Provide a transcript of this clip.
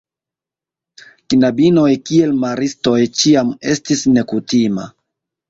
Knabinoj kiel maristoj ĉiam estis nekutima.